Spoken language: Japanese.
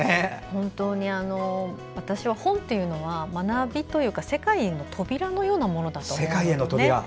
本当に、私は本というのは学びというか、世界への扉のようなものだと思うんですね。